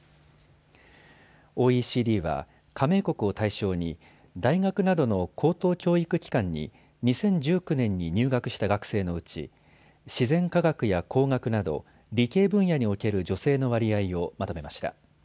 ＯＥＣＤは加盟国を対象に大学などの高等教育機関に２０１９年に入学した学生のうち自然科学や工学など理系分野における女性の割合をまとめました。